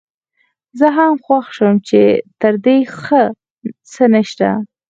زه هم خوښ شوم چې تر دې ښه څه نشته.